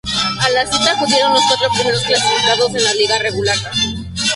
A la cita acudieron los cuatro primeros clasificado en la liga regular.